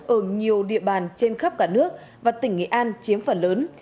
ở nhiều địa bàn trên khắp cả nước và tỉnh nghệ an chiếm phần lớn